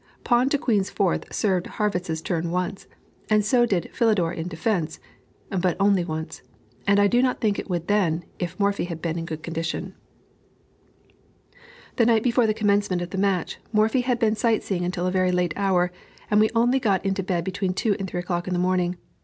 Pawn to queen's fourth served Harrwitz's turn once, and so did Philidor in defence, but only once, and I do not think it would then, if Morphy had been in good condition. The night before the commencement of the match, Morphy had been sight seeing until a very late hour; and we only got into bed between two and three o'clock in the morning.